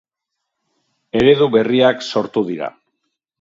Eredu berriak sortu dira.